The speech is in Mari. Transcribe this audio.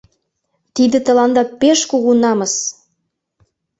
Тиде тыланда пеш кугу намыс!